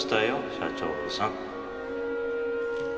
社長さん。